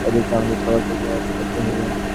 এই দিকেই আমাদের সকল শক্তি নিয়োজিত করিতে হইবে।